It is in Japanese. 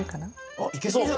あっいけそう。